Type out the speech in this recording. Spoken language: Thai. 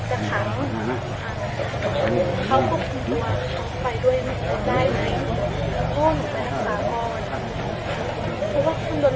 เพราะงั้นมันต้องเลูกภาษาภาษา